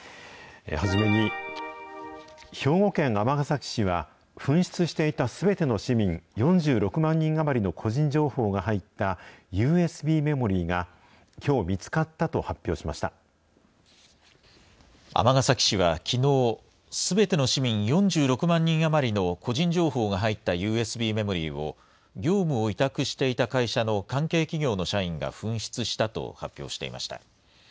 初めに、兵庫県尼崎市は紛失していたすべての市民４６万人余りの個人情報が入ったＵＳＢメモリーが、きょう、見つかったと発表し尼崎市はきのう、すべての市民４６万人余りの個人情報が入ったＵＳＢメモリーを、業務を委託していた会社の関係企業の社員が紛失したと発表していました。